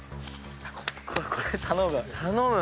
これ頼む。